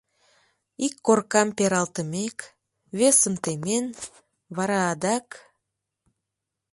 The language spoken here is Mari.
Ик коркам пералтымек, весым темен, вара адак...